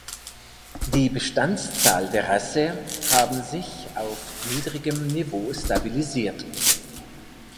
Die Bestandszahl der Rasse haben sich auf niedrigem Niveau stabilisiert.